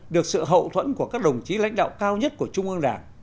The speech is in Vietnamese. được sự hậu thuẫn của các đồng chí lãnh đạo cao nhất của trung ương đảng